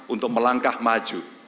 untuk melangkah maju